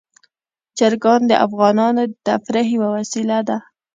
چرګان د افغانانو د تفریح یوه وسیله ده.